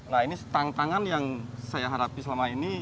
nah ini tantangan yang saya hadapi selama ini